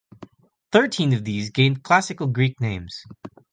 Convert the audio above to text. Thirteen of these gained classical Greek names.